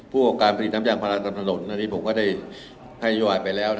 ภูมิการผลิตน้ำยางพลาดทางถนนในที่ผมก็ได้ให้ยวดไปแล้ว